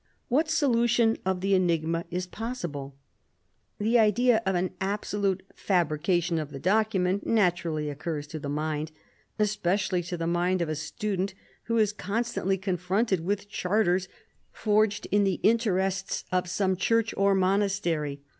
"What solution of the enigma is possible? The idea of an absolute fabrication of the document naturally occurs to the mind, especially to the mind of a student who is constantly confronted with charters forged in the interests of some church or monastery.